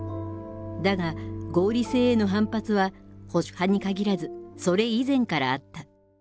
だが「合理性」への反発は保守派に限らずそれ以前からあった。